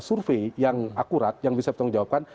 survei yang akurat yang bisa bertanggung jawabkan